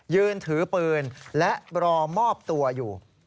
ยืนถือปืนและรอมอบตัวอยู่